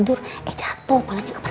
tadi dia jatuh eja kepalanya kepentok